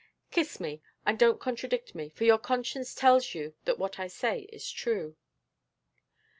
Kiss me, and don't contradict me, for your conscience tells you that what I say is true."